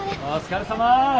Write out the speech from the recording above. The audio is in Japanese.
お疲れさまです。